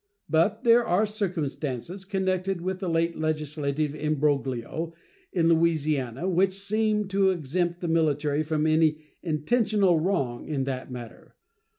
But there are circumstances connected with the late legislative imbroglio in Louisiana which seem to exempt the military from any intentional wrong in that matter.